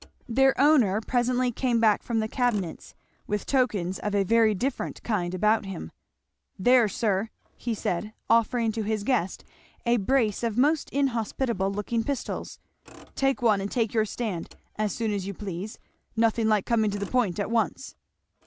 Their owner presently came back from the cabinets with tokens of a very different kind about him. "There, sir!" he said, offering to his guest a brace of most inhospitable looking pistols, "take one and take your stand, as soon as you please nothing like coming to the point at once!"